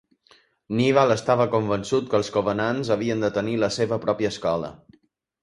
Nyvall estava convençut que els covenants havien de tenir la seva pròpia escola.